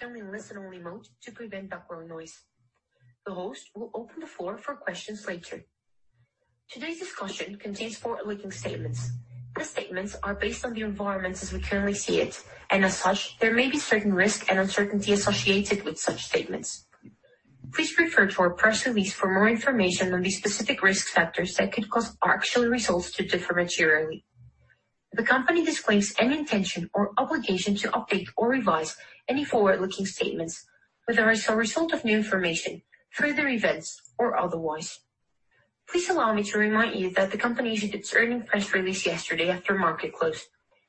Currently in listen only mode to prevent background noise. The host will open the floor for questions later. Today's discussion contains forward-looking statements. The statements are based on the environment as we currently see it, and as such, there may be certain risks and uncertainty associated with such statements. Please refer to our press release for more information on the specific risk factors that could cause our actual results to differ materially. The company disclaims any intention or obligation to update or revise any forward-looking statements, whether as a result of new information, further events, or otherwise. Please allow me to remind you that the company issued its earnings press release yesterday after market close.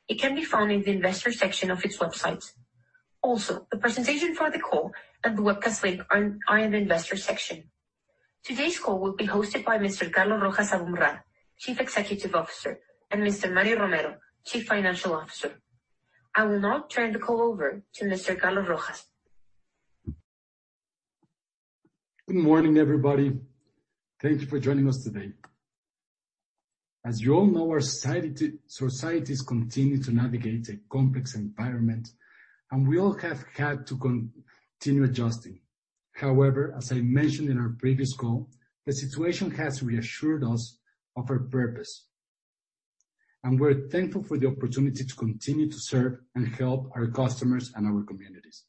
It can be found in the investor section of its website. Also, the presentation for the call and the webcast link are in the Investor section. Today's call will be hosted by Mr. Carlos Rojas Aboumrad, Chief Executive Officer, and Mr. Mario Romero, Chief Financial Officer. I will now turn the call over to Mr. Carlos Rojas Aboumrad. Good morning, everybody. Thank you for joining us today. As you all know, our societies continue to navigate a complex environment, and we all have had to continue adjusting. However, as I mentioned in our previous call, the situation has reassured us of our purpose, and we're thankful for the opportunity to continue to serve and help our customers and our communities.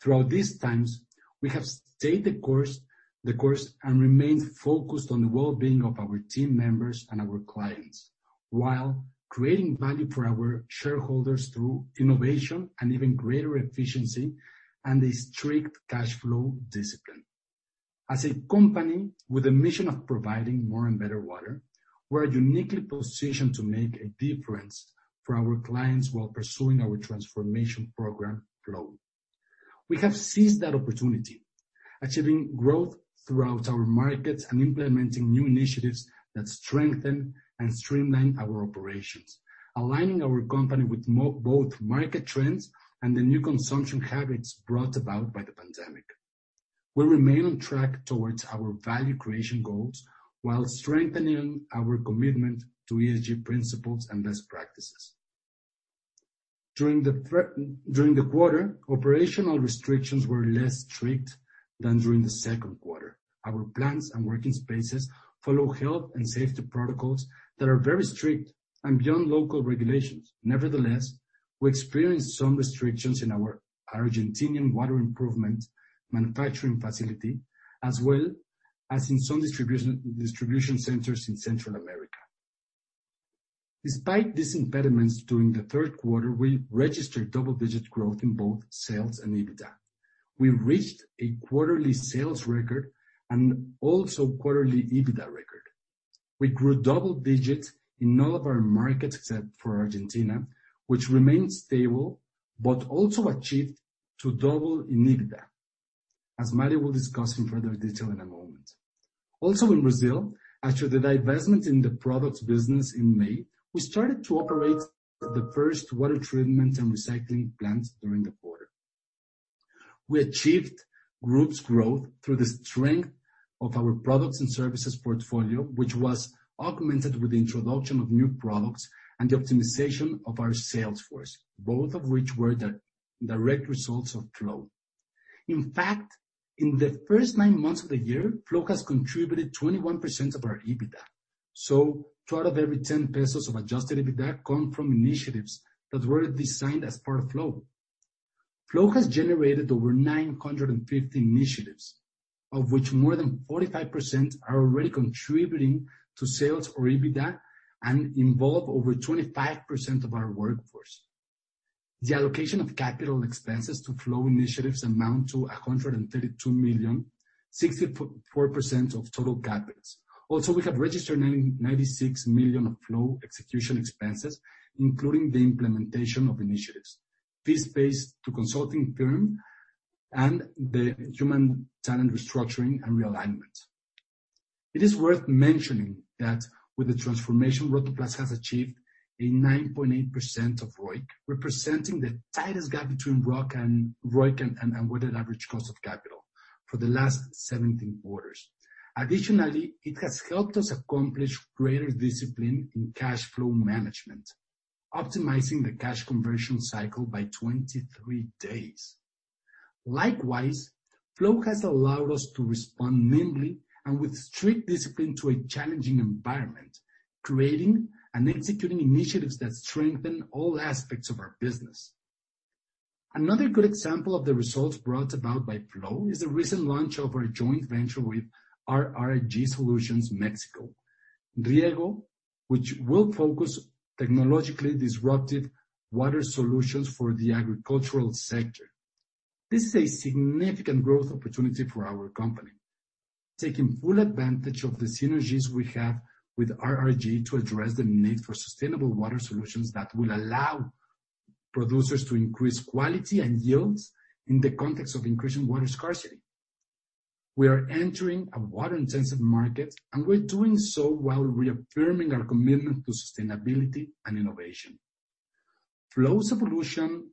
Throughout these times, we have stayed the course and remained focused on the well-being of our team members and our clients while creating value for our shareholders through innovation and even greater efficiency and a strict cash flow discipline. As a company with a mission of providing more and better water, we're uniquely positioned to make a difference for our clients while pursuing our transformation program, Flow. We have seized that opportunity, achieving growth throughout our markets and implementing new initiatives that strengthen and streamline our operations, aligning our company with both market trends and the new consumption habits brought about by the pandemic. We remain on track towards our value creation goals while strengthening our commitment to ESG principles and best practices. During the quarter, operational restrictions were less strict than during the second quarter. Our plants and working spaces follow health and safety protocols that are very strict and beyond local regulations. Nevertheless, we experienced some restrictions in our Argentinian water improvement manufacturing facility, as well as in some distribution centers in Central America. Despite these impediments during the third quarter, we registered double-digit growth in both sales and EBITDA. We reached a quarterly sales record and also quarterly EBITDA record. We grew double digits in all of our markets except for Argentina, which remained stable but also achieved to double in EBITDA, as Mario will discuss in further detail in a moment. Also in Brazil, after the divestment in the products business in May, we started to operate the first water treatment and recycling plant during the quarter. We achieved group's growth through the strength of our products and services portfolio, which was augmented with the introduction of new products and the optimization of our sales force, both of which were the direct results of Flow. In fact, in the first nine months of the year, Flow has contributed 21% of our EBITDA. 2 out of every 10 pesos of adjusted EBITDA come from initiatives that were designed as part of Flow. Flow has generated over 950 initiatives, of which more than 45% are already contributing to sales or EBITDA and involve over 25% of our workforce. The allocation of capital expenses to Flow initiatives amount to 132 million, 64% of total CapEx. Also, we have registered 96 million of Flow execution expenses, including the implementation of initiatives, fees paid to consulting firm, and the human talent restructuring and realignment. It is worth mentioning that with the transformation, Grupo Rotoplas has achieved a 9.8% of ROIC, representing the tightest gap between ROIC and weighted average cost of capital for the last 17 quarters. Additionally, it has helped us accomplish greater discipline in cash flow management, optimizing the cash conversion cycle by 23 days. Likewise, Flow has allowed us to respond nimbly and with strict discipline to a challenging environment, creating and executing initiatives that strengthen all aspects of our business. Another good example of the results brought about by Flow is the recent launch of our joint venture with RRG Solutions Mexico, Rieggo, which will focus technologically disruptive water solutions for the agricultural sector. This is a significant growth opportunity for our company, taking full advantage of the synergies we have with RRG to address the need for sustainable water solutions that will allow producers to increase quality and yields in the context of increasing water scarcity. We are entering a water intensive market, and we're doing so while reaffirming our commitment to sustainability and innovation. Flow solution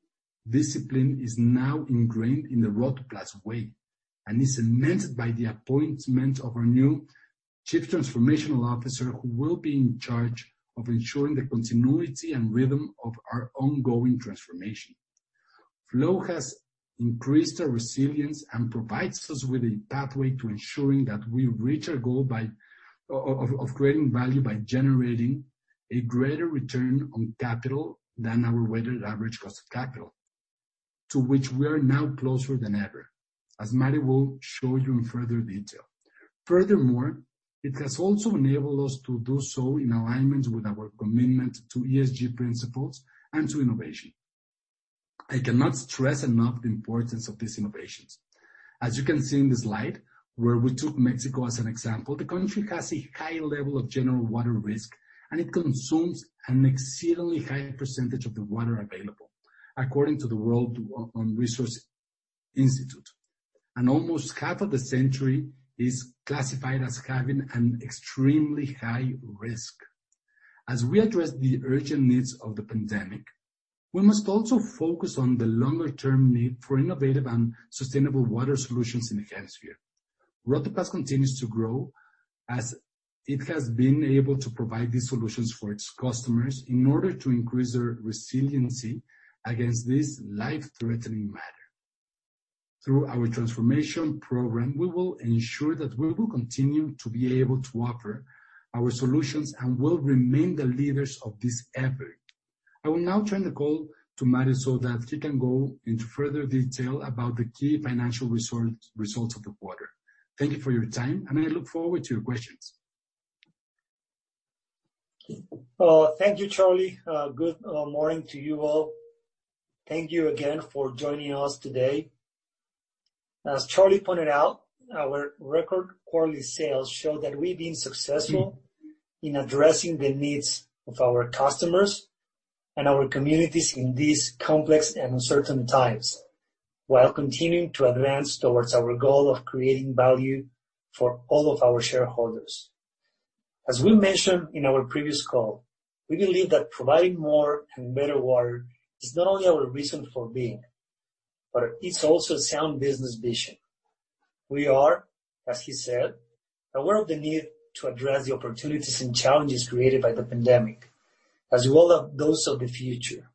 discipline is now ingrained in the Grupo Rotoplas way, and is cemented by the appointment of our new Chief Transformational Officer, who will be in charge of ensuring the continuity and rhythm of our ongoing transformation. Flow has increased our resilience and provides us with a pathway to ensuring that we reach our goal of creating value by generating a greater return on capital than our weighted average cost of capital. To which we are now closer than ever, as Mario will show you in further detail. Furthermore, it has also enabled us to do so in alignment with our commitment to ESG principles and to innovation. I cannot stress enough the importance of these innovations. As you can see in this slide where we took Mexico as an example, the country has a high level of general water risk, and it consumes an exceedingly high percentage of the water available, according to the World Resources Institute, and almost half of the country is classified as having an extremely high risk. As we address the urgent needs of the pandemic, we must also focus on the longer-term need for innovative and sustainable water solutions in the hemisphere. Grupo Rotoplas continues to grow as it has been able to provide these solutions for its customers in order to increase their resiliency against this life-threatening matter. Through our transformation program, we will ensure that we will continue to be able to offer our solutions and will remain the leaders of this effort. I will now turn the call to Mario so that he can go into further detail about the key financial results of the quarter. Thank you for your time, and I look forward to your questions. Thank you, Carlos. Good morning to you all. Thank you again for joining us today. As Carlos pointed out, our record quarterly sales show that we've been successful in addressing the needs of our customers and our communities in these complex and uncertain times, while continuing to advance towards our goal of creating value for all of our shareholders. As we mentioned in our previous call, we believe that providing more and better water is not only our reason for being, but it's also a sound business vision. We are, as he said, aware of the need to address the opportunities and challenges created by the pandemic, as well as those of the future.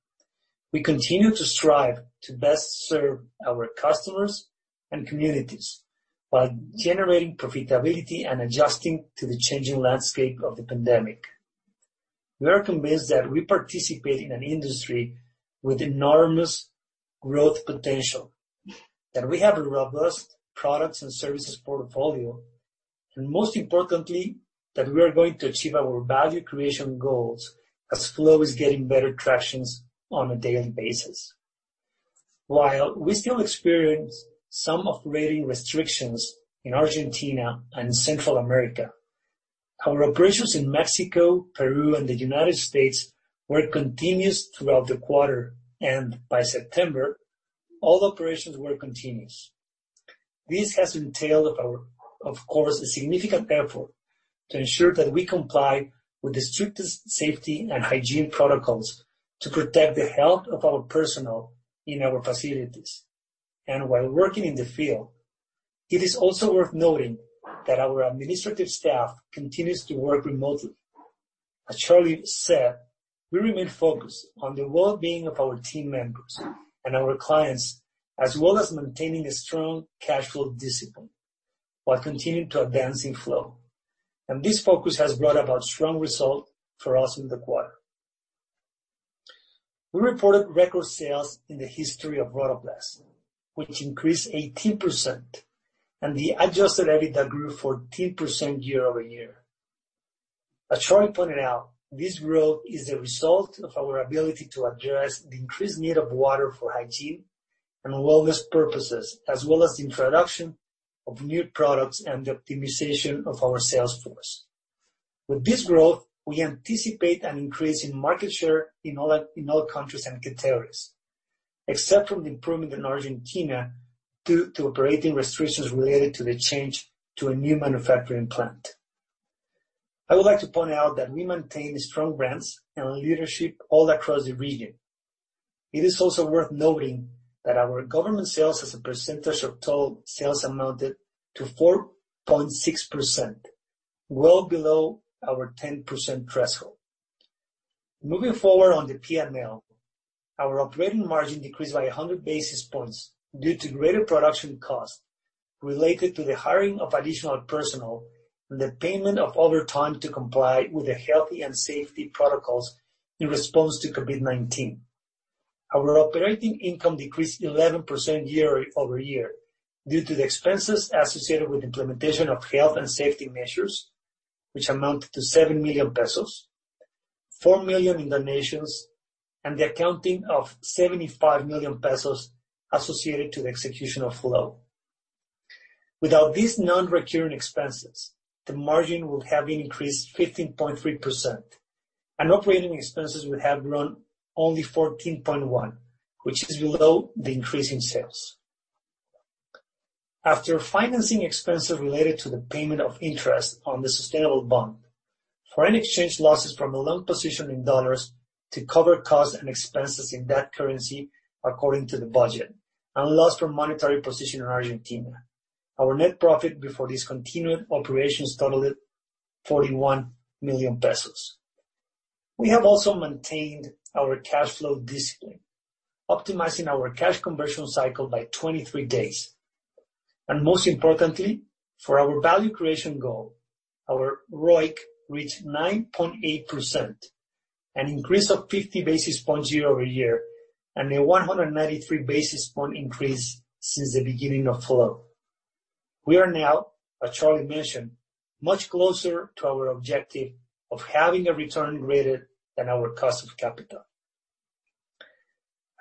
We continue to strive to best serve our customers and communities while generating profitability and adjusting to the changing landscape of the pandemic. We are convinced that we participate in an industry with enormous growth potential, that we have a robust products and services portfolio, and most importantly, that we are going to achieve our value creation goals as Flow is getting better tractions on a daily basis. While we still experience some operating restrictions in Argentina and Central America, our operations in Mexico, Peru, and the United States were continuous throughout the quarter, and by September, all operations were continuous. This has entailed, of course, a significant effort to ensure that we comply with the strictest safety and hygiene protocols to protect the health of our personnel in our facilities and while working in the field. It is also worth noting that our administrative staff continues to work remotely. As Carlos said, we remain focused on the well-being of our team members and our clients, as well as maintaining a strong cash flow discipline while continuing to advance in Flow. This focus has brought about strong results for us in the quarter. We reported record sales in the history of Grupo Rotoplas, which increased 18%, and the adjusted EBITDA grew 14% year-over-year. As Carlos pointed out, this growth is the result of our ability to address the increased need of water for hygiene and wellness purposes, as well as the introduction of new products and the optimization of our sales force. With this growth, we anticipate an increase in market share in all countries and territories, except from the improvement in Argentina due to operating restrictions related to the change to a new manufacturing plant. I would like to point out that we maintain strong brands and leadership all across the region. It is also worth noting that our government sales as a percentage of total sales amounted to 4.6%, well below our 10% threshold. Moving forward on the P&L, our operating margin decreased by 100 basis points due to greater production costs related to the hiring of additional personnel and the payment of overtime to comply with the healthy and safety protocols in response to COVID-19. Our operating income decreased 11% year-over-year due to the expenses associated with implementation of health and safety measures, which amounted to 7 million pesos, 4 million in donations, and the accounting of 75 million pesos associated to the execution of Flow. Without these non-recurring expenses, the margin would have increased 15.3%, and operating expenses would have grown only 14.1%, which is below the increase in sales. After financing expenses related to the payment of interest on the sustainable bond. Foreign exchange losses from a long position in dollars to cover costs and expenses in that currency according to the budget, and loss from monetary position in Argentina. Our net profit before discontinued operations totaled 41 million pesos. We have also maintained our cash flow discipline, optimizing our cash conversion cycle by 23 days. Most importantly, for our value creation goal, our ROIC reached 9.8%, an increase of 50 basis points year-over-year, and a 193 basis point increase since the beginning of Flow. We are now, as Carlos mentioned, much closer to our objective of having a return greater than our cost of capital.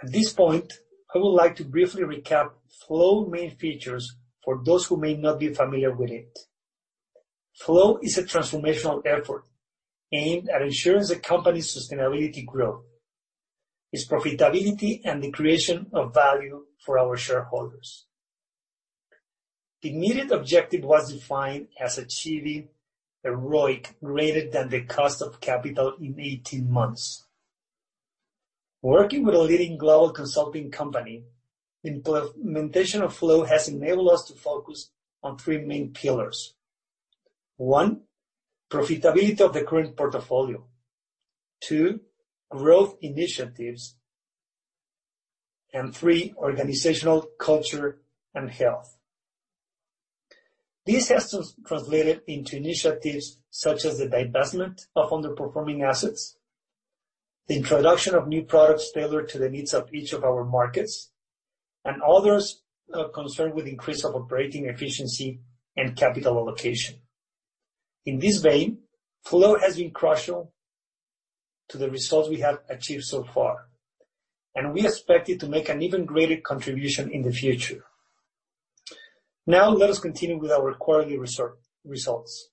At this point, I would like to briefly recap Flow main features for those who may not be familiar with it. Flow is a transformational effort aimed at ensuring the company's sustainability growth, its profitability, and the creation of value for our shareholders. The immediate objective was defined as achieving a ROIC greater than the cost of capital in 18 months. Working with a leading global consulting company, implementation of Flow has enabled us to focus on three main pillars. One, profitability of the current portfolio. Two, growth initiatives. Three, organizational culture and health. This has translated into initiatives such as the divestment of underperforming assets, the introduction of new products tailored to the needs of each of our markets, and others concerned with increase of operating efficiency and capital allocation. In this vein, Flow has been crucial to the results we have achieved so far, and we expect it to make an even greater contribution in the future. Let us continue with our quarterly results.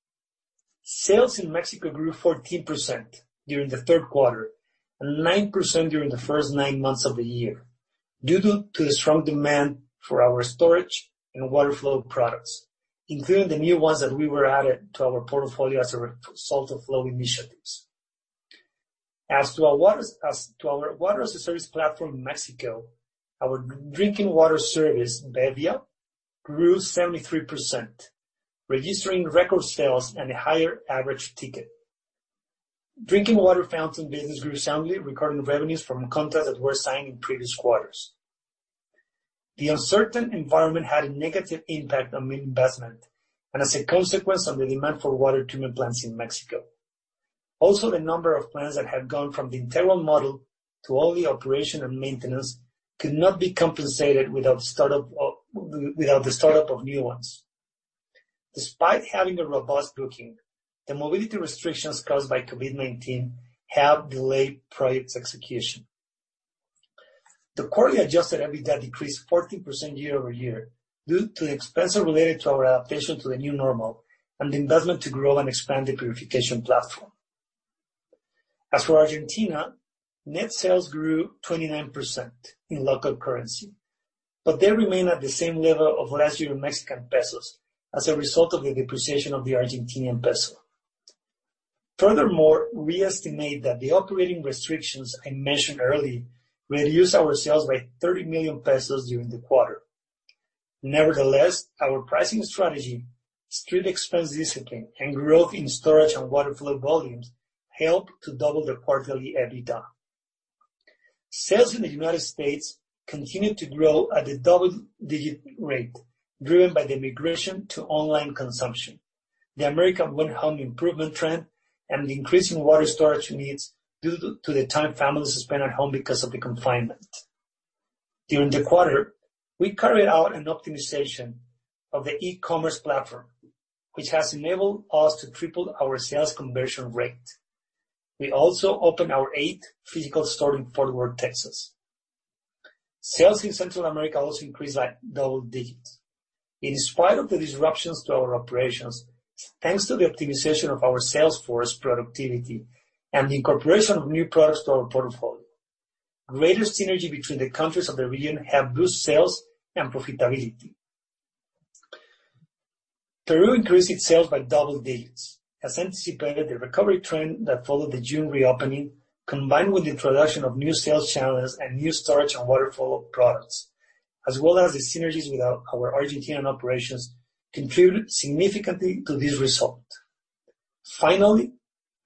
Sales in Mexico grew 14% during the third quarter and 9% during the first nine months of the year, due to the strong demand for our storage and water flow products, including the new ones that we were added to our portfolio as a result of Flow initiatives. As to our water as a service platform in Mexico, our drinking water service, bebbia, grew 73%, registering record sales and a higher average ticket. Drinking water fountain business grew soundly, recording revenues from contracts that were signed in previous quarters. The uncertain environment had a negative impact on investment, as a consequence of the demand for water treatment plants in Mexico. Also, the number of plants that had gone from the integral model to only operation and maintenance could not be compensated without the startup of new ones. Despite having a robust booking, the mobility restrictions caused by COVID-19 have delayed project execution. The quarterly adjusted EBITDA decreased 14% year-over-year due to expenses related to our adaptation to the new normal and the investment to grow and expand the purification platform. As for Argentina, net sales grew 29% in local currency, but they remain at the same level of last year in MXN as a result of the depreciation of the Argentinian peso. Furthermore, we estimate that the operating restrictions I mentioned earlier reduced our sales by 30 million pesos during the quarter. Nevertheless, our pricing strategy, strict expense discipline, and growth in storage and water flow volumes helped to double the quarterly EBITDA. Sales in the U.S. continued to grow at a double-digit rate, driven by the migration to online consumption, the American home improvement trend, and the increasing water storage needs due to the time families spend at home because of the confinement. During the quarter, we carried out an optimization of the e-commerce platform, which has enabled us to triple our sales conversion rate. We also opened our eighth physical store in Fort Worth, Texas. Sales in Central America also increased double digits. In spite of the disruptions to our operations, thanks to the optimization of our sales force productivity and the incorporation of new products to our portfolio, greater synergy between the countries of the region have boosted sales and profitability. Peru increased its sales by double digits. As anticipated, the recovery trend that followed the June reopening, combined with the introduction of new sales channels and new storage and water flow products, as well as the synergies with our Argentinian operations, contributed significantly to this result. Finally,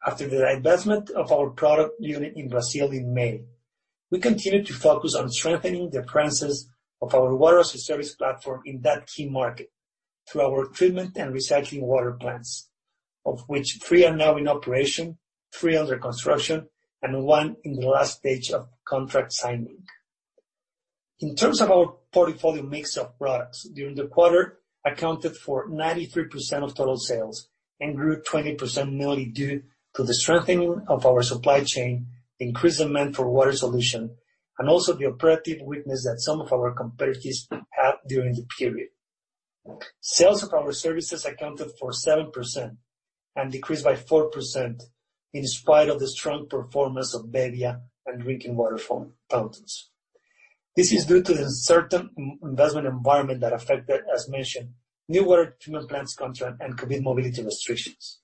after the divestment of our product unit in Brazil in May, we continued to focus on strengthening the presence of our water as a service platform in that key market through our treatment and recycling water plants, of which three are now in operation, three under construction, and one in the last stage of contract signing. In terms of our portfolio mix of products, during the quarter accounted for 93% of total sales and grew 20% mainly due to the strengthening of our supply chain, increased demand for water solution, also the operative weakness that some of our competitors had during the period. Sales of our services accounted for 7% and decreased by 4% in spite of the strong performance of bebbia and drinking water fountains. This is due to the uncertain investment environment that affected, as mentioned, new water treatment plants contract and COVID mobility restrictions.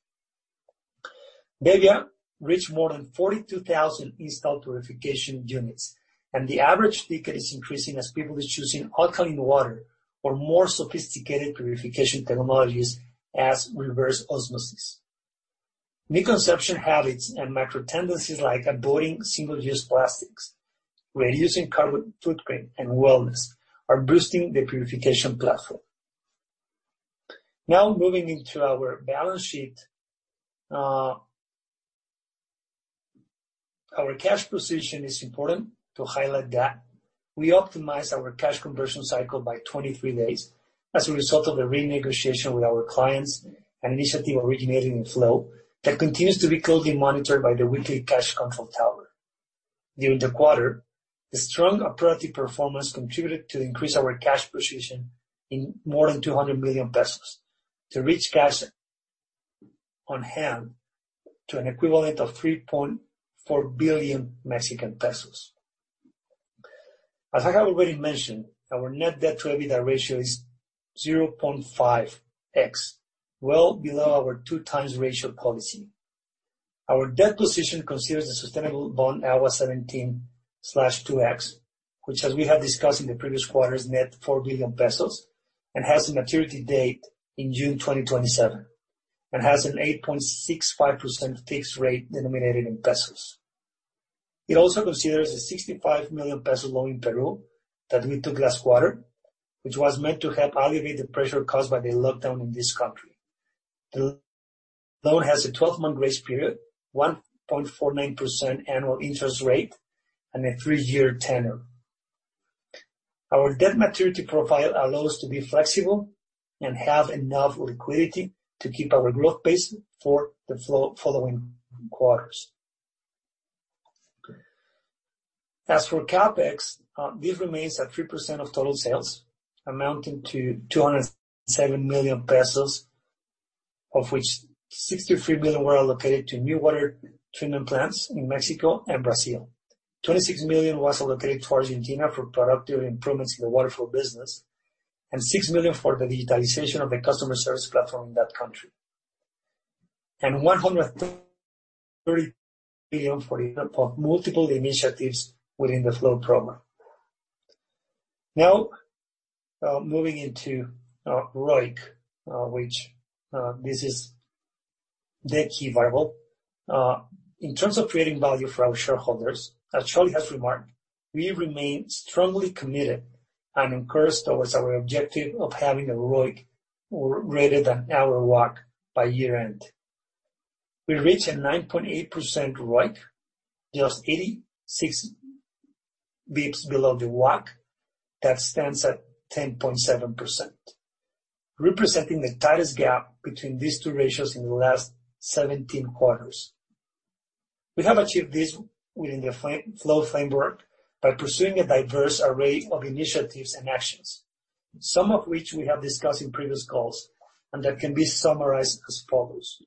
bebbia reached more than 42,000 installed purification units. The average ticket is increasing as people is choosing alkaline water or more sophisticated purification technologies as reverse osmosis. New consumption habits and macro tendencies like avoiding single-use plastics, reducing carbon footprint, and wellness are boosting the purification platform. Moving into our balance sheet. Our cash position is important to highlight that we optimized our cash conversion cycle by 23 days as a result of a renegotiation with our clients, an initiative originating in Flow that continues to be closely monitored by the weekly cash control tower. During the quarter, the strong operating performance contributed to increase our cash position in more than 200 million pesos, to reach cash on hand to an equivalent of 3.4 billion Mexican pesos. As I have already mentioned, our net debt to EBITDA ratio is 0.5x, well below our two times ratio policy. Our debt position considers the sustainable bond AGUA 17-2X, which as we have discussed in the previous quarters, net 4 billion pesos, and has a maturity date in June 2027 and has an 8.65% fixed rate denominated in MXN. It also considers a 65 million peso loan in Peru that went to (Glasswater), which was meant to help alleviate the pressure caused by the lockdown in this country. The loan has a 12-month grace period, 1.49% annual interest rate, and a three-year tenure. Our debt maturity profile allows to be flexible and have enough liquidity to keep our growth pace for the following quarters. As for CapEx, this remains at 3% of total sales, amounting to 207 million pesos, of which 63 million were allocated to new water treatment plants in Mexico and Brazil. 26 million was allocated to Argentina for productive improvements in the water flow business, 6 million for the digitalization of the customer service platform in that country. 130 million for multiple initiatives within the Flow program. Moving into ROIC, which this is the key variable. In terms of creating value for our shareholders, as Carlos has remarked, we remain strongly committed and encouraged towards our objective of having a ROIC greater than our WACC by year-end. We reached a 9.8% ROIC, just 86 basis points below the WACC that stands at 10.7%, representing the tightest gap between these two ratios in the last 17 quarters. We have achieved this within the Flow framework by pursuing a diverse array of initiatives and actions, some of which we have discussed in previous calls and that can be summarized as follows.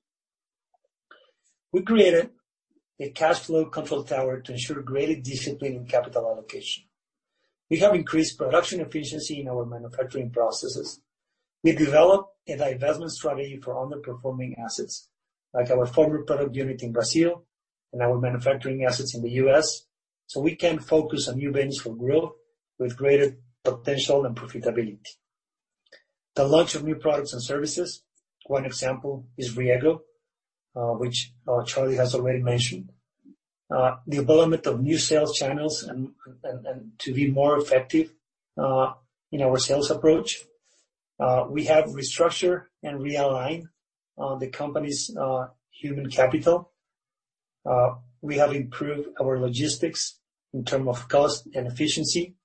We created a cash flow control tower to ensure greater discipline in capital allocation. We have increased production efficiency in our manufacturing processes. We developed a divestment strategy for underperforming assets, like our former product unit in Brazil and our manufacturing assets in the U.S., so we can focus on new venues for growth with greater potential and profitability. The launch of new products and services. One example is Rieggo, which Carlos has already mentioned. Development of new sales channels and to be more effective in our sales approach. We have restructured and realigned the company's human capital. We have improved our logistics in terms of cost and efficiency.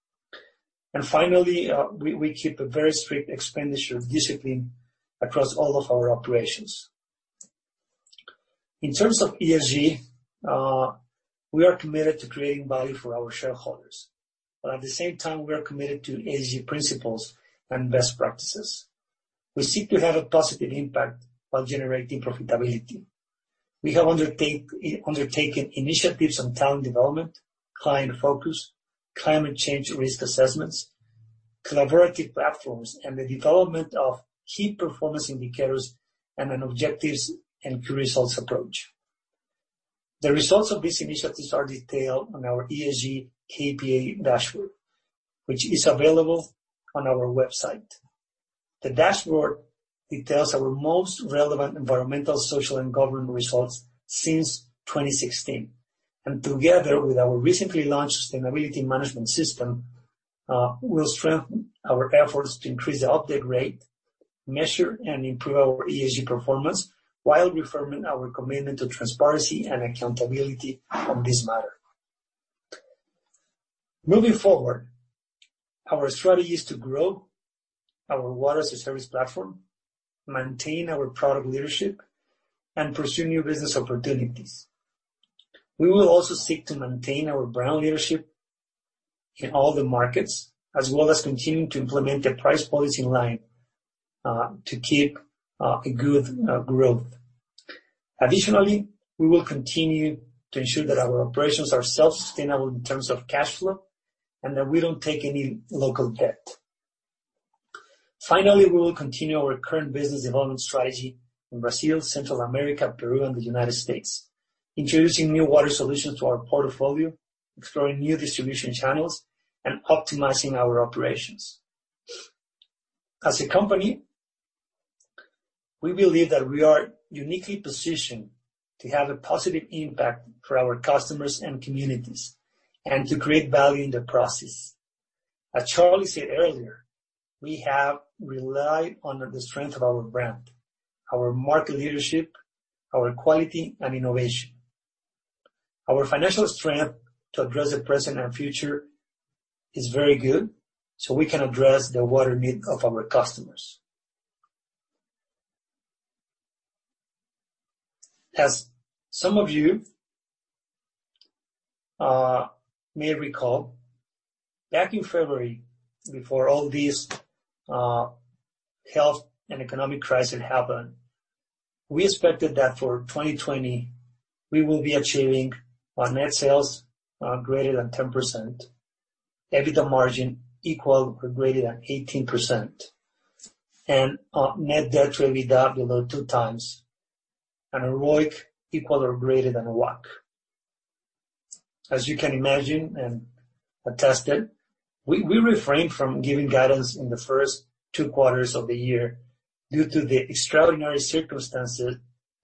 Finally, we keep a very strict expenditure discipline across all of our operations. In terms of ESG, we are committed to creating value for our shareholders. At the same time, we are committed to ESG principles and best practices. We seek to have a positive impact while generating profitability. We have undertaken initiatives on talent development, client focus, climate change risk assessments, collaborative platforms, and the development of key performance indicators and an objectives and key results approach. The results of these initiatives are detailed on our ESG KPI dashboard, which is available on our website. The dashboard details our most relevant environmental, social, and governance results since 2016, and together with our recently launched sustainability management system, will strengthen our efforts to increase the update rate, measure, and improve our ESG performance while reaffirming our commitment to transparency and accountability on this matter. Moving forward, our strategy is to grow our water as a service platform, maintain our product leadership, and pursue new business opportunities. We will also seek to maintain our brand leadership in all the markets, as well as continuing to implement a price policy line to keep a good growth. Additionally, we will continue to ensure that our operations are self-sustainable in terms of cash flow, and that we don't take any local debt. Finally, we will continue our current business development strategy in Brazil, Central America, Peru, and the U.S., introducing new water solutions to our portfolio, exploring new distribution channels, and optimizing our operations. As a company, we believe that we are uniquely positioned to have a positive impact for our customers and communities, and to create value in the process. As Carlos said earlier, we have relied on the strength of our brand, our market leadership, our quality, and innovation. Our financial strength to address the present and future is very good, so we can address the water need of our customers. As some of you may recall, back in February, before all this health and economic crisis happened, we expected that for 2020, we will be achieving our net sales greater than 10%, EBITDA margin equal or greater than 18%, and our net debt to EBITDA below 2x, and a ROIC equal or greater than WACC. As you can imagine and attested, we refrained from giving guidance in the first two quarters of the year due to the extraordinary circumstances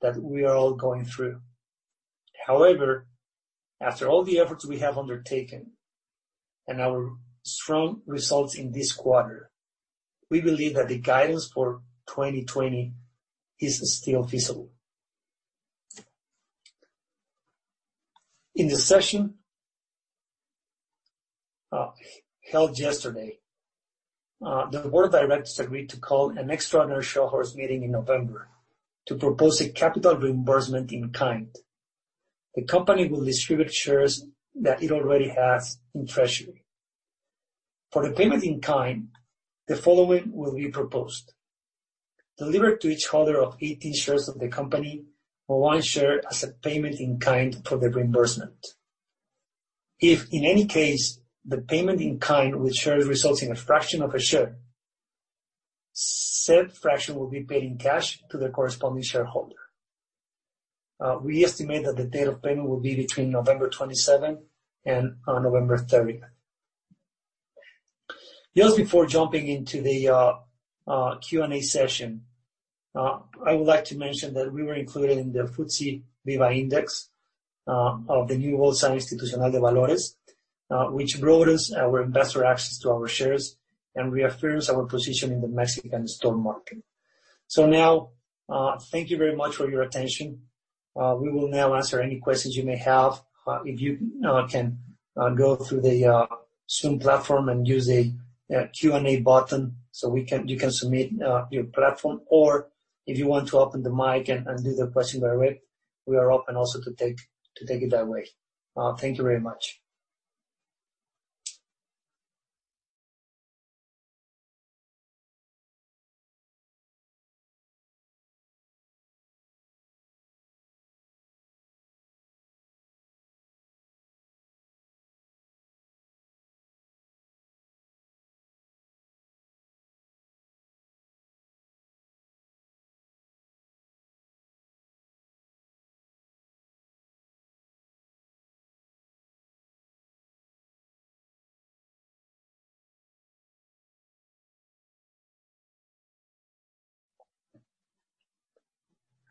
that we are all going through. After all the efforts we have undertaken and our strong results in this quarter, we believe that the guidance for 2020 is still feasible. In the session held yesterday, the board of directors agreed to call an extraordinary shareholders meeting in November to propose a capital reimbursement in kind. The company will distribute shares that it already has in treasury. For the payment in kind, the following will be proposed. Deliver to each holder of 18 shares of the company for one share as a payment in kind for the reimbursement. If, in any case, the payment in kind with shares results in a fraction of a share, said fraction will be paid in cash to the corresponding shareholder. We estimate that the date of payment will be between November 27 and on November 30. Just before jumping into the Q&A session, I would like to mention that we were included in the FTSE BIVA Index, of the new Bolsa Institucional de Valores, which broadens our investor access to our shares and reaffirms our position in the Mexican stock market. Now, thank you very much for your attention. We will now answer any questions you may have. If you now can go through the Zoom platform and use the Q&A button, so you can submit your question, or if you want to open the mic and do the question direct, we are open also to take it that way. Thank you very much.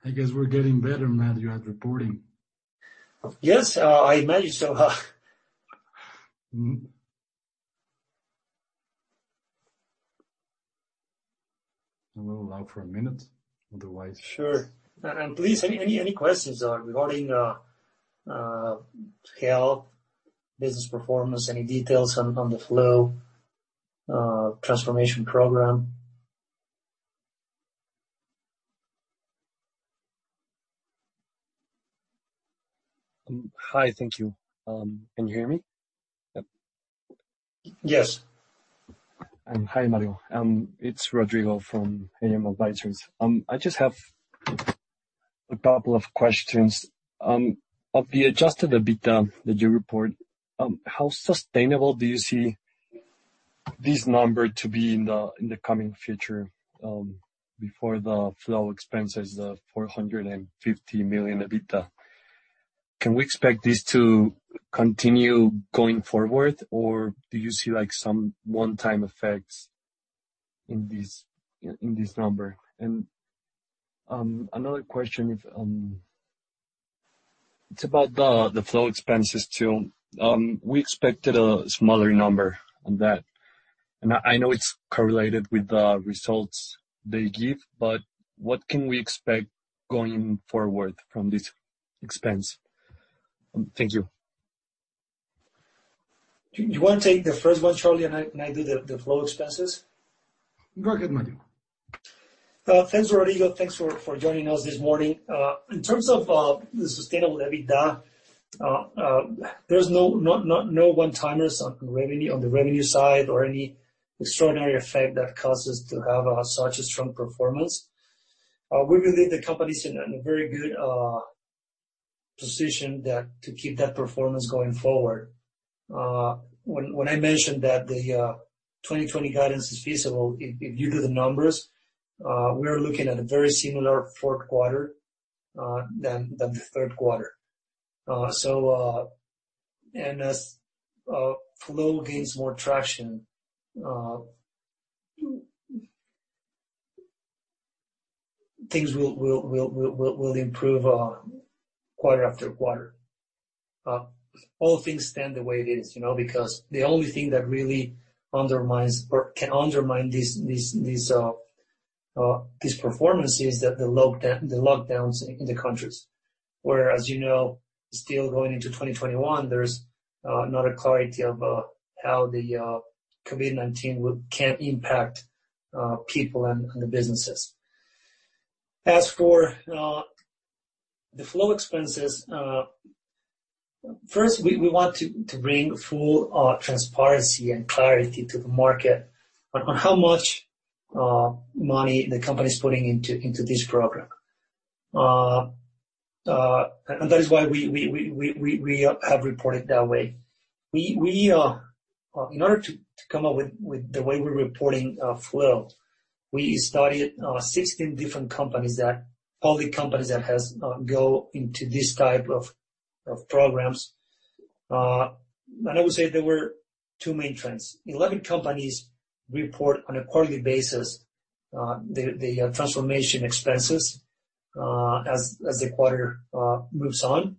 I guess we're getting better, Mario, at reporting. Yes, I imagine so. Mm-hmm. We'll allow for a minute. Otherwise. Sure. Please, any questions regarding health, business performance, any details on the Flow transformation program? Hi. Thank you. Can you hear me? Yep. Yes. Hi, Mario. It's Rodrigo from AM Advisors. I just have a couple of questions. Of the adjusted EBITDA that you report, how sustainable do you see this number to be in the coming future, before the Flow expense is 450 million EBITDA? Can we expect this to continue going forward, or do you see some one-time effects in this number? Another question, it's about the Flow expenses too. We expected a smaller number on that, and I know it's correlated with the results they give, but what can we expect going forward from this expense? Thank you. Do you want to take the first one, Carlos, and I do the Flow expenses? Go ahead, Mario. Thanks, Rodrigo. Thanks for joining us this morning. In terms of the sustainable EBITDA, there's no one-timers on the revenue side or any extraordinary effect that causes to have such a strong performance. We believe the company's in a very good position to keep that performance going forward. When I mentioned that the 2020 guidance is feasible, if you do the numbers, we are looking at a very similar fourth quarter than the third quarter. As Flow gains more traction, things will improve quarter after quarter. All things stand the way it is, because the only thing that really undermines or can undermine these performances, the lockdowns in the countries where, as you know, still going into 2021, there's not a clarity of how the COVID-19 can impact people and the businesses. As for the Flow expenses, first, we want to bring full transparency and clarity to the market on how much money the company is putting into this program. That is why we have reported that way. In order to come up with the way we're reporting Flow, we studied 16 different companies that, public companies that has go into this type of programs. I would say there were two main trends. 11 companies report on a quarterly basis, the transformation expenses as the quarter moves on,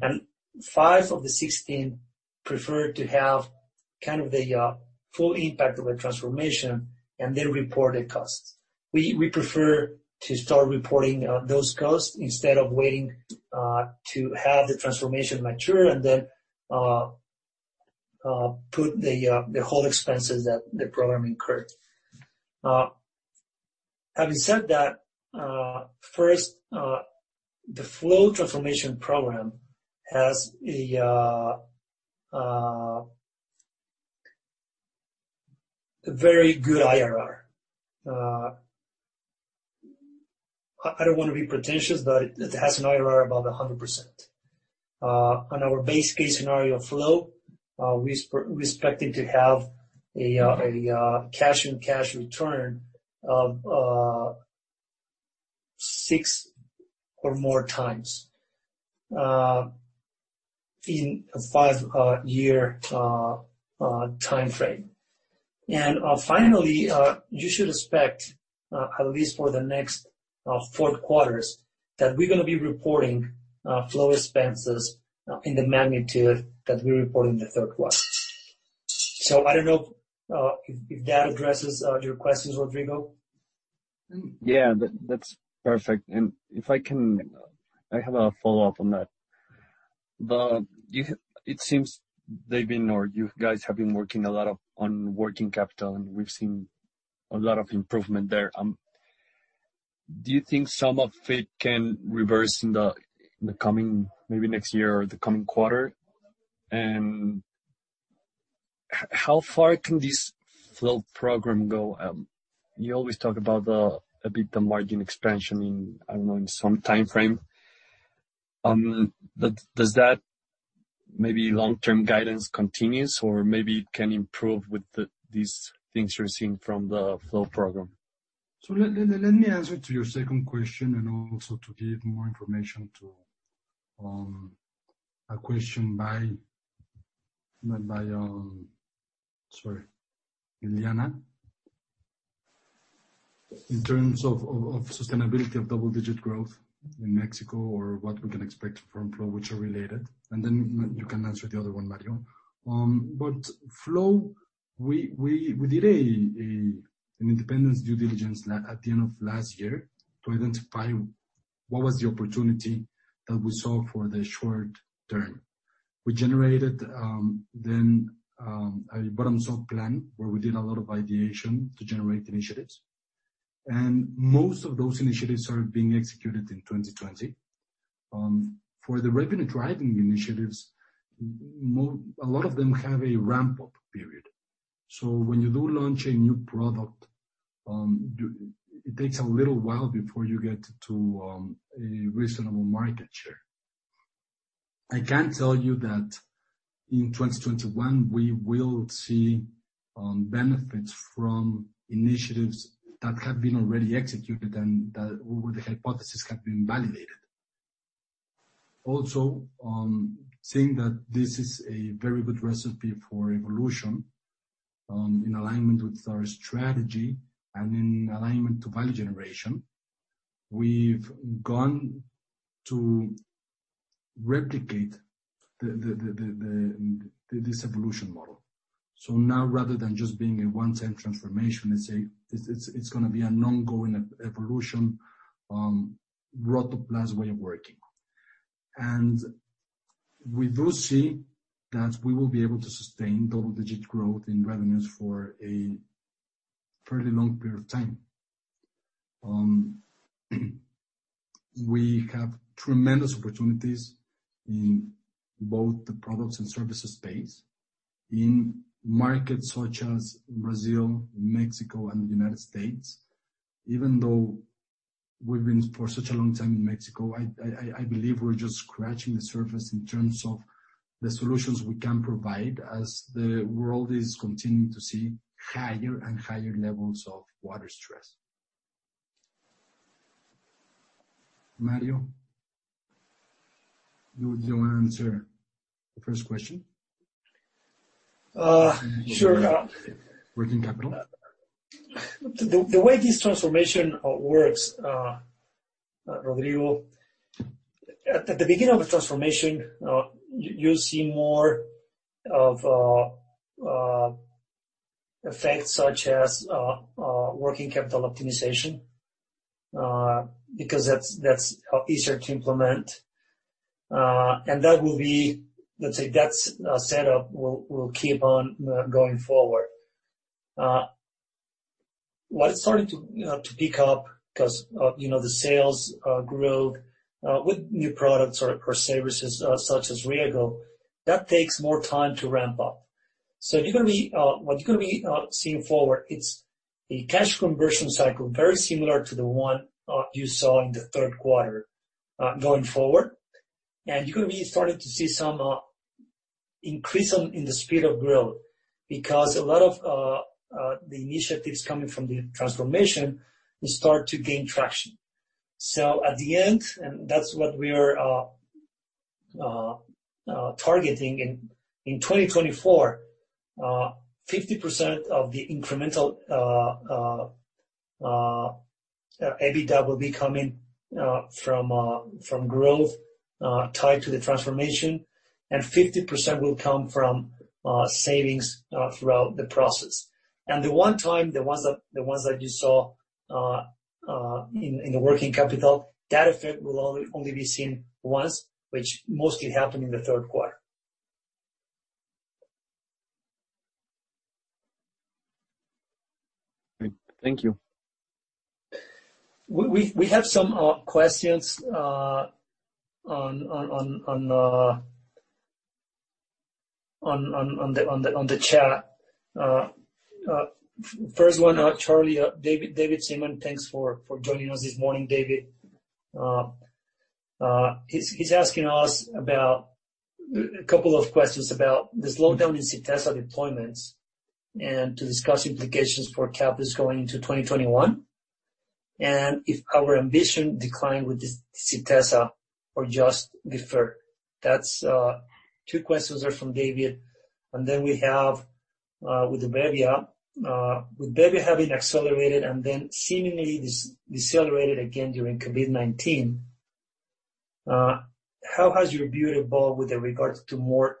and five of the 16 preferred to have kind of the full impact of the transformation and then report the costs. We prefer to start reporting those costs instead of waiting to have the transformation mature and then put the whole expenses that the program incurred. Having said that, first, the Flow transformation program has a very good IRR. I don't want to be pretentious, but it has an IRR above 100%. On our base case scenario of Flow, we're expecting to have a cash in cash return of six or more times in a five-year timeframe. Finally, you should expect, at least for the next fourth quarters, that we're going to be reporting Flow expenses in the magnitude that we report in the third quarter. I don't know if that addresses your questions, Rodrigo. Yeah. That's perfect. If I can, I have a follow-up on that. It seems they've been, or you guys have been working a lot on working capital, and we've seen a lot of improvement there. Do you think some of it can reverse in the coming, maybe next year or the coming quarter? How far can this Flow program go? You always talk about a bit the margin expansion in, I don't know, in some timeframe. Does that maybe long-term guidance continues or maybe it can improve with these things you're seeing from the Flow program? let me answer to your second question and also to give more information to a question by, sorry, Liliana, in terms of sustainability of double-digit growth in Mexico or what we can expect from Flow, which are related, and then you can answer the other one, Mario. Flow, we did an independent due diligence at the end of last year to identify what was the opportunity that we saw for the short term. We generated then a bottom-up plan where we did a lot of ideation to generate initiatives, and most of those initiatives are being executed in 2020. For the revenue-driving initiatives, a lot of them have a ramp-up period. when you do launch a new product, it takes a little while before you get to a reasonable market share. I can tell you that in 2021, we will see benefits from initiatives that have been already executed and where the hypothesis have been validated. Also, seeing that this is a very good recipe for evolution, in alignment with our strategy and in alignment to value generation, we've gone to replicate this evolution model. Now rather than just being a one-time transformation, let's say it's going to be an ongoing evolution Grupo Rotoplas way of working. We do see that we will be able to sustain double-digit growth in revenues for a fairly long period of time. We have tremendous opportunities in both the products and services space, in markets such as Brazil, Mexico, and the United States. Even though we've been for such a long time in Mexico, I believe we're just scratching the surface in terms of the solutions we can provide as the world is continuing to see higher and higher levels of water stress. Mario, you want to answer the first question? Sure. Working capital. The way this transformation works, Rodrigo, at the beginning of a transformation, you see more of effects such as working capital optimization, because that's easier to implement. That setup will keep on going forward. What is starting to pick up because the sales growth with new products or services such as Rieggo, that takes more time to ramp up. What you're going to be seeing forward is a cash conversion cycle, very similar to the one you saw in the third quarter, going forward. You're going to be starting to see some increase in the speed of growth because a lot of the initiatives coming from the transformation will start to gain traction. at the end, and that's what we are targeting in 2024, 50% of the incremental EBITDA will be coming from growth tied to the transformation, and 50% will come from savings throughout the process. the one time, the ones that you saw in the working capital, that effect will only be seen once, which mostly happened in the third quarter. Great. Thank you. We have some questions on the chat. First one, Carlos. David Simon, thanks for joining us this morning, David. He's asking us a couple of questions about the slowdown in Sytesa deployments and to discuss implications for CapEx going into 2021, and if our ambition declined with Sytesa or just deferred. That's two questions are from David. We have with bebbia. With bebbia having accelerated and then seemingly decelerated again during COVID-19, how has your view evolved with regards to more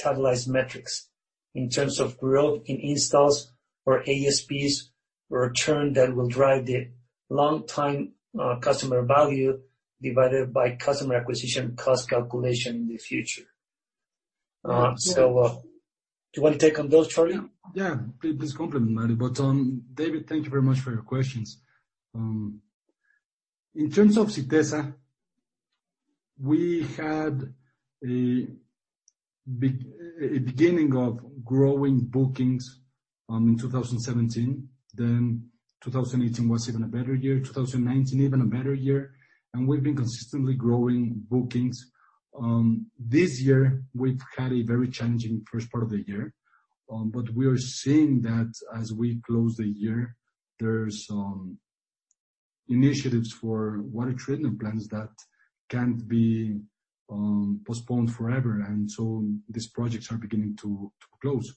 capitalized metrics in terms of growth in installs or ASPs or churn that will drive the lifetime customer value divided by customer acquisition cost calculation in the future? Do you want to take on those, Carlos? Yeah. Please complement, Mario. David, thank you very much for your questions. In terms of Sytesa, we had a beginning of growing bookings in 2017. 2018 was even a better year, 2019 even a better year, and we've been consistently growing bookings. This year, we've had a very challenging first part of the year. We are seeing that as we close the year, there's initiatives for water treatment plants that can't be postponed forever. These projects are beginning to close.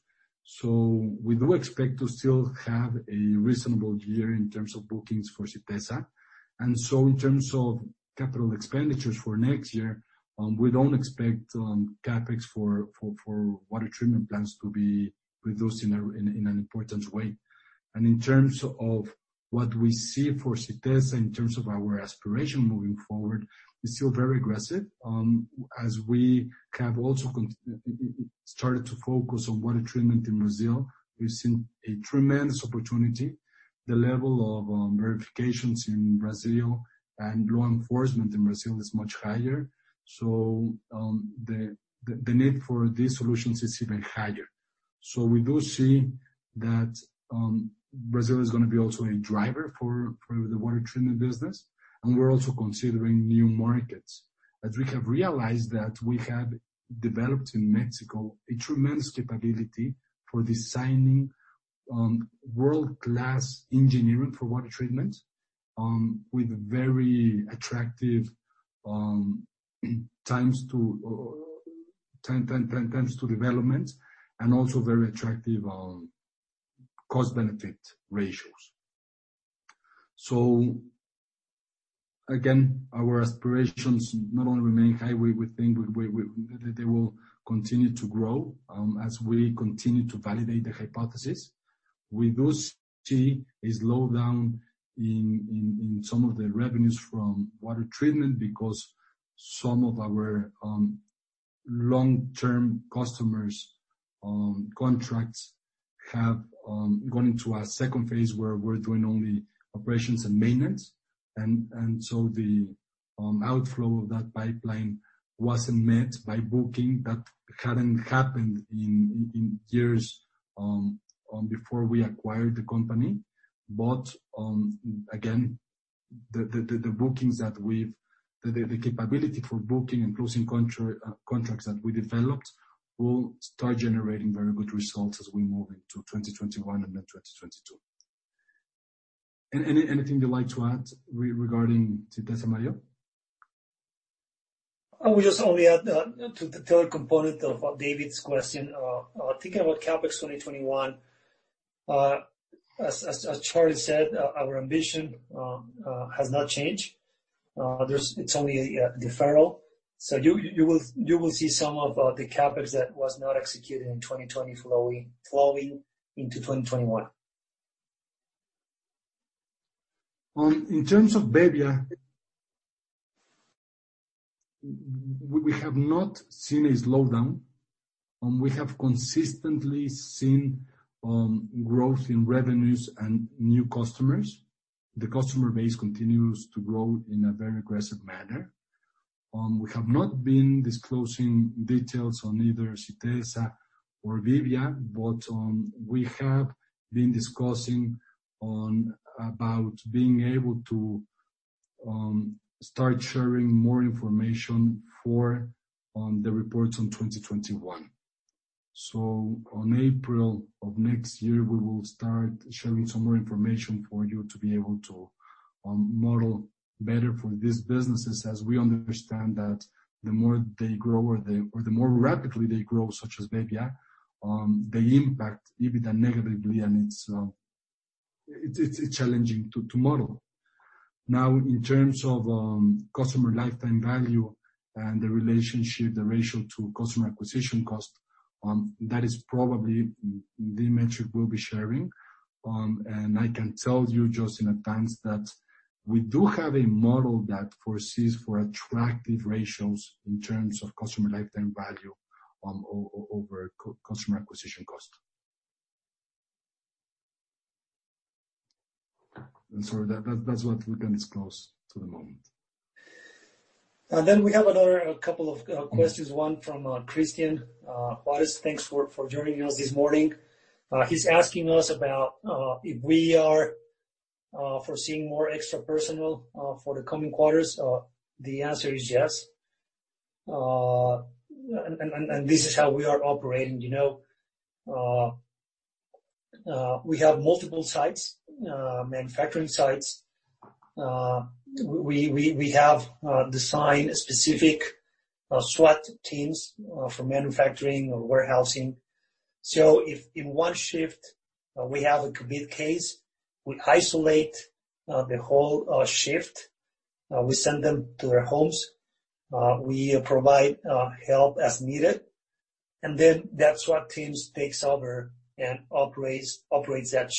We do expect to still have a reasonable year in terms of bookings for Sytesa. In terms of capital expenditures for next year, we don't expect CapEx for water treatment plants to be reduced in an important way. In terms of what we see for Sytesa, in terms of our aspiration moving forward, we're still very aggressive. As we have also started to focus on water treatment in Brazil, we've seen a tremendous opportunity. The level of verifications in Brazil and law enforcement in Brazil is much higher. The need for these solutions is even higher. We do see that Brazil is going to be also a driver for the water treatment business, and we're also considering new markets. As we have realized that we have developed in Mexico a tremendous capability for designing world-class engineering for water treatment with very attractive times to development and also very attractive cost-benefit ratios. Again, our aspirations not only remain high, we think they will continue to grow as we continue to validate the hypothesis. We do see a slowdown in some of the revenues from water treatment because some of our long-term customers on contracts have gone into our second phase, where we're doing only operations and maintenance. The outflow of that pipeline wasn't met by booking. That hadn't happened in years before we acquired the company. Again, the capability for booking and closing contracts that we developed will start generating very good results as we move into 2021 and then 2022. Anything you'd like to add regarding Sytesa, Mario? I will just only add to the third component of David's question. Thinking about CapEx 2021, as Carlos said, our ambition has not changed. It's only a deferral. You will see some of the CapEx that was not executed in 2020 flowing into 2021. In terms of bebbia, we have not seen a slowdown. We have consistently seen growth in revenues and new customers. The customer base continues to grow in a very aggressive manner. We have not been disclosing details on either Sytesa or bebbia, but we have been discussing about being able to start sharing more information for the reports on 2021. On April of next year, we will start sharing some more information for you to be able to model better for these businesses, as we understand that the more they grow or the more rapidly they grow, such as bebbia, they impact EBITDA negatively, and it's challenging to model. Now, in terms of customer lifetime value and the relationship, the ratio to customer acquisition cost, that is probably the metric we'll be sharing. I can tell you just in advance that we do have a model that foresees for attractive ratios in terms of customer lifetime value over customer acquisition cost. that's what we can disclose to the moment. We have another couple of questions, one from Christian Juarez. Thanks for joining us this morning. He's asking us about if we are foreseeing more extra personnel for the coming quarters. The answer is yes. This is how we are operating. We have multiple sites, manufacturing sites. We have designed specific SWAT teams for manufacturing or warehousing. If in one shift we have a COVID case, we isolate the whole shift. We send them to their homes. We provide help as needed. That SWAT teams takes over and operates that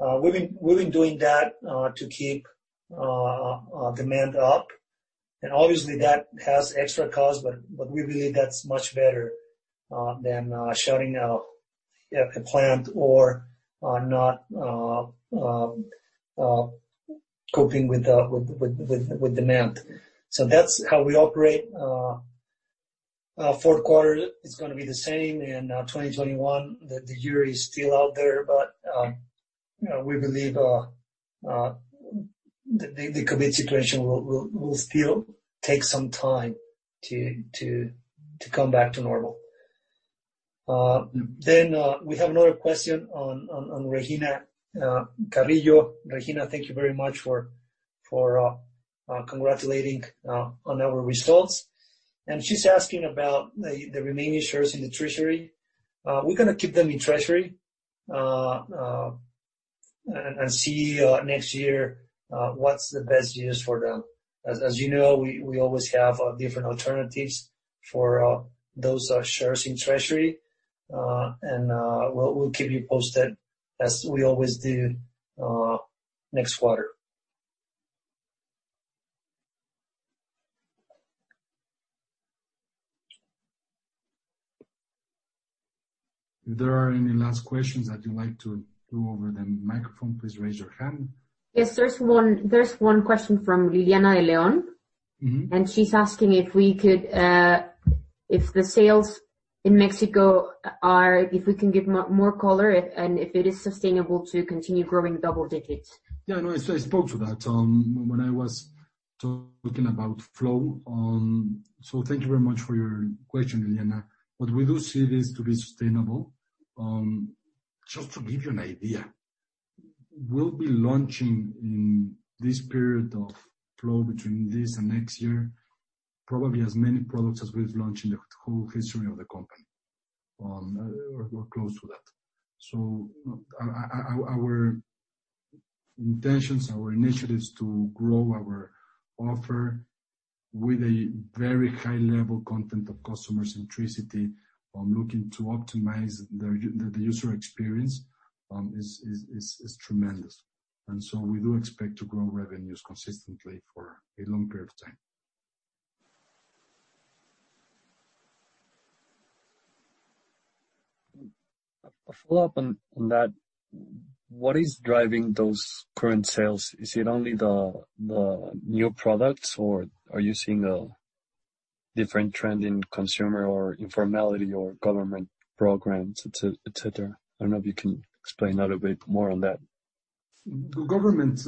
shift. We've been doing that to keep demand up, and obviously, that has extra cost, but we believe that's much better than shutting a plant or not coping with demand. That's how we operate. Fourth quarter is going to be the same, and 2021, the year is still out there, but we believe the COVID situation will still take some time to come back to normal. We have another question on Regina Carrillo. Regina, thank you very much for congratulating on our results. She's asking about the remaining shares in the treasury. We're going to keep them in treasury and see next year what's the best use for them. As you know, we always have different alternatives for those shares in treasury, and we'll keep you posted as we always do next quarter. If there are any last questions that you'd like to do over the microphone, please raise your hand. Yes, there's one question from Liliana De León. She's asking if we can give more color and if it is sustainable to continue growing double digits. Yeah, no, I spoke to that when I was talking about Flow. thank you very much for your question, Liliana. we do see this to be sustainable. Just to give you an idea, we'll be launching in this period of Flow between this and next year, probably as many products as we've launched in the whole history of the company, or close to that. our intentions, our initiative is to grow our offer with a very high-level content of customer centricity on looking to optimize the user experience is tremendous. we do expect to grow revenues consistently for a long period of time. A follow-up on that. What is driving those current sales? Is it only the new products, or are you seeing a different trend in consumer or informality or government programs, et cetera? I don't know if you can explain a little bit more on that. The government,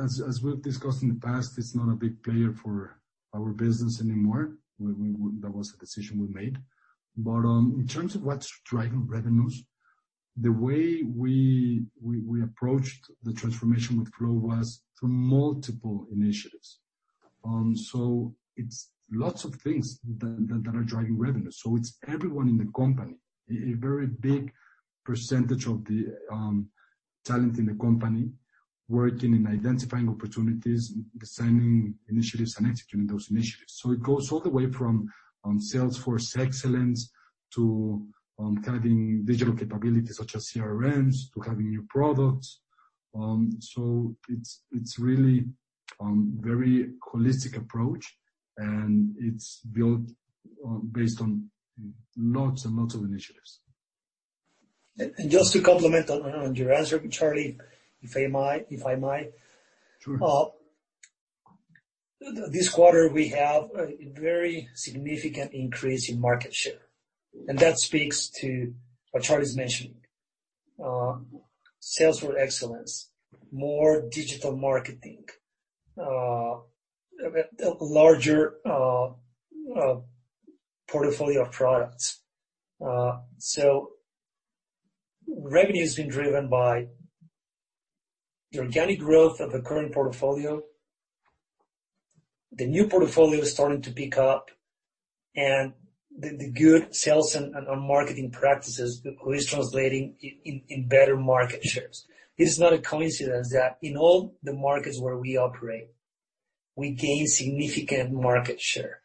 as we've discussed in the past, is not a big player for our business anymore. That was a decision we made. In terms of what's driving revenues, the way we approached the transformation with Flow was through multiple initiatives. It's lots of things that are driving revenue. It's everyone in the company, a very big percentage of the talent in the company, working in identifying opportunities, designing initiatives, and executing those initiatives. It goes all the way from salesforce excellence to having digital capabilities such as CRMs, to having new products. It's really very holistic approach, and it's built based on lots and lots of initiatives. Just to complement on your answer, Carlos, if I might. Sure. This quarter, we have a very significant increase in market share. That speaks to what Carlos's mentioning. Sales for excellence, more digital marketing, larger portfolio of products. Revenue has been driven by the organic growth of the current portfolio. The new portfolio is starting to pick up and the good sales and marketing practices is translating in better market shares. It is not a coincidence that in all the markets where we operate, we gain significant market share,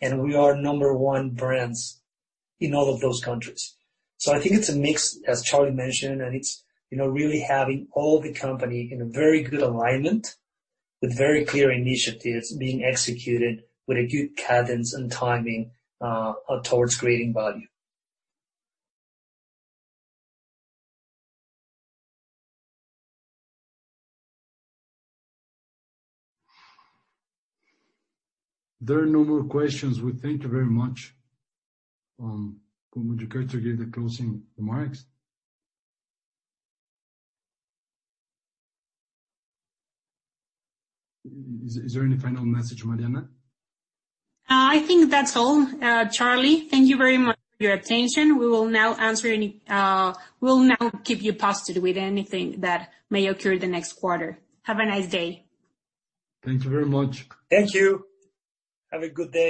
and we are number one brands in all of those countries. I think it's a mix, as Carlos mentioned, and it's really having all the company in very good alignment with very clear initiatives being executed with a good cadence and timing towards creating value. There are no more questions. We thank you very much. Would you care to give the closing remarks? Is there any final message, Mariana? I think that's all. Carlos, thank you very much for your attention. We will now keep you posted with anything that may occur the next quarter. Have a nice day. Thank you very much. Thank you. Have a good day.